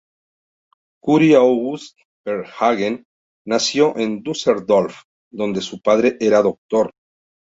Karl August Varnhagen nació en Düsseldorf, donde su padre era doctor.